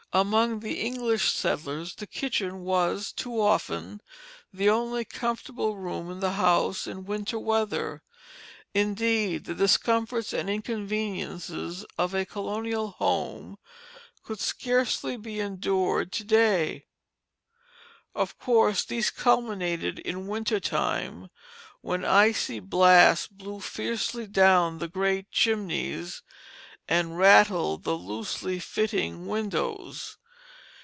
Among the English settlers the kitchen was, too often, the only comfortable room in the house in winter weather. Indeed, the discomforts and inconveniences of a colonial home could scarcely be endured to day; of course these culminated in the winter time, when icy blasts blew fiercely down the great chimneys, and rattled the loosely fitting windows.